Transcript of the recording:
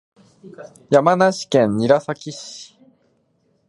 山梨県韮崎市